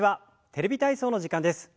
「テレビ体操」の時間です。